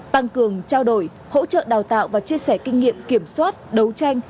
tăng cường trao đổi hỗ trợ đào tạo và chia sẻ kinh nghiệm kiểm soát đấu tranh